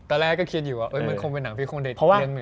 ตอนแรกก็คิดอยู่ว่ามันคงเป็นหนังที่คงเด็ดอีกเรื่องหนึ่ง